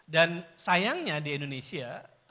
dan sayangnya di indonesia